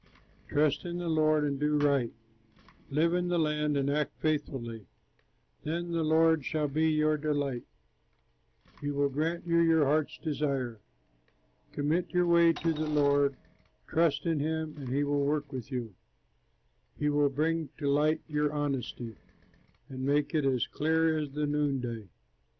Trust in the Lord and do right, Live in the land and act faithfully. Then the Lord shall be your delight, He will grant you your heart's desire. Commit your way to the Lord, Trust in him, and he will work with you, He will bring to light your honesty, And make it as clear as the noonday.